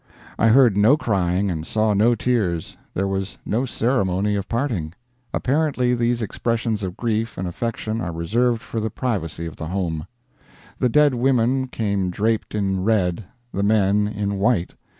I heard no crying and saw no tears, there was no ceremony of parting. Apparently, these expressions of grief and affection are reserved for the privacy of the home. The dead women came draped in red, the men in white.